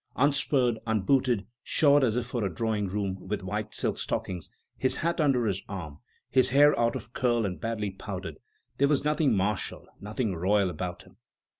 Unspurred, unbooted, shod as if for a drawing room, with white silk stockings, his hat under his arm, his hair out of curl and badly powdered, there was nothing martial, nothing royal about him.